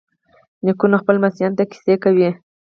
نیکونه خپلو لمسیانو ته کیسې کوي.